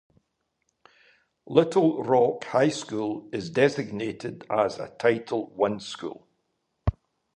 Littlerock High School is designated as a Title One school.